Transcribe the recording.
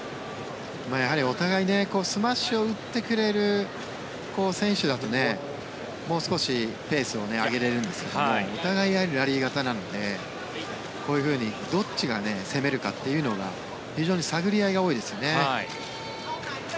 やはりお互いにスマッシュを打ってくれる選手だともう少しペースを上げれるんですがお互いラリー型なのでこういうふうにどっちが攻めるかというのが非常に探り合いが多いですよね。